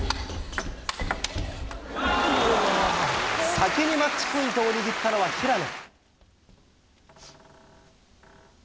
先にマッチポイントを握ったのは平野。